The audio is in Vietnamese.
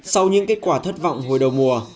sau những kết quả thất vọng hồi đầu mùa